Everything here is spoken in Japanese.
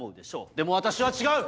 でも私は違う！